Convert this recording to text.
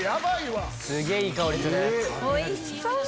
おいしそう！